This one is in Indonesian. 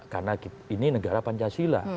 karena ini negara pancasila